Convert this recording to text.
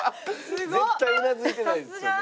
絶対うなずいてないですよね。